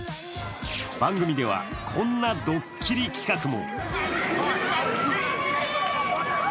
番組ではこんなドッキリ企画も。